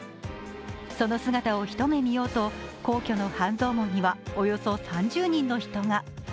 その姿を一目見ようと皇居の半蔵門にはおよそ３０人の人が。